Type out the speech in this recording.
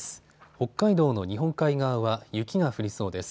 北海道の日本海側は雪が降りそうです。